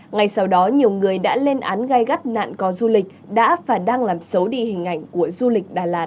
ngay sau đó nhiều người đã lên án gai gắt nạn co du lịch đã và đang làm xấu đi hình ảnh của du lịch đà lạt